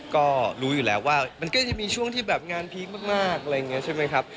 ก็รู้อยู่แล้วว่ามันก็จะมีช่วงที่แบบงานพีคมากอะไรอย่างนี้ใช่ไหมครับ